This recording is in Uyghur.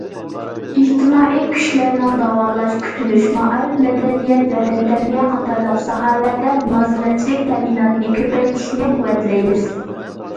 ئىجتىمائىي كۈچلەرنىڭ داۋالاش، كۈتۈنۈش، مائارىپ، مەدەنىيەت ۋە تەنتەربىيە قاتارلىق ساھەلەردە مۇلازىمەتچىلىك تەمىناتىنى كۆپەيتىشىنى قۇۋۋەتلەيمىز.